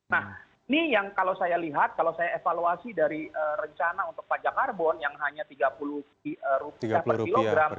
nah ini yang kalau saya lihat kalau saya evaluasi dari rencana untuk pajak karbon yang hanya rp tiga puluh per kilogram